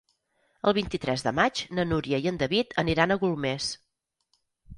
El vint-i-tres de maig na Núria i en David aniran a Golmés.